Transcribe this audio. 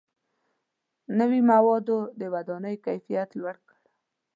• نوي موادو د ودانیو کیفیت لوړ کړ.